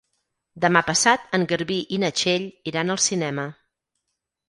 Demà passat en Garbí i na Txell iran al cinema.